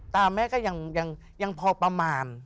แม่ก็ยังพอประมาณ